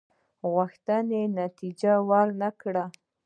غوښتنې نتیجه ورنه کړه.